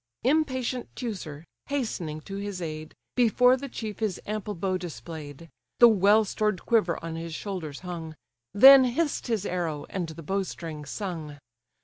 Impatient Teucer, hastening to his aid, Before the chief his ample bow display'd; The well stored quiver on his shoulders hung: Then hiss'd his arrow, and the bowstring sung.